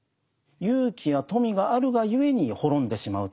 勇気や富があるがゆえに滅んでしまうということもある。